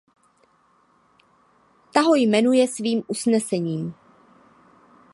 Ta ho jmenuje svým usnesením.